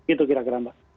itu kira kira mbak